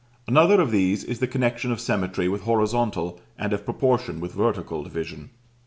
Another of these is the connection of Symmetry with horizontal, and of Proportion with vertical, division.